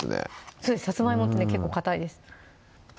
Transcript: そうですねさつまいもってね結構かたいです